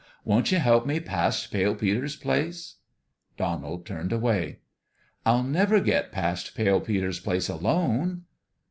Won't ye help me past Pale Peter's place ?" Donald turned away. " I'll never get past Pale Peter's place alone."